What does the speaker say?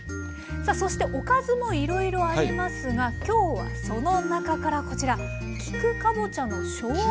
さあそしておかずもいろいろありますが今日はその中からこちら菊かぼちゃのしょうがそぼろです。